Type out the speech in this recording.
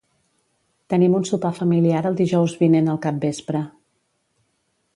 Tenim un sopar familiar el dijous vinent al capvespre.